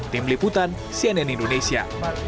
tim liputan cnn indonesia